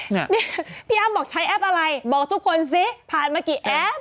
นี่พี่อ้ำบอกใช้แอปอะไรบอกทุกคนสิผ่านมากี่แอป